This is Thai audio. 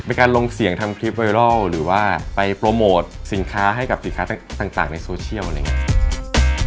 การลงเสียงทำคลิปไวรัลหรือว่าไปโปรโมทสินค้าให้กับสินค้าต่างในโซเชียลอะไรอย่างนี้